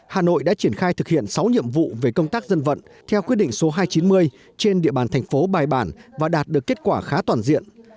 hà nội đã triển khai thực hiện sáu nhiệm vụ về công tác dân vận theo quyết định số hai trăm chín mươi trên địa bàn thành phố bài bản và đạt được kết quả khá toàn diện